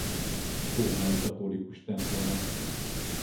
Római katolikus temploma.